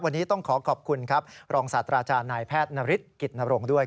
วันนี้ต้องขอขอบคุณครับรองสัตว์ราชานายแพทย์นาริสกิฎนโรงด้วย